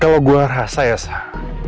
kalau gue rasa ya sah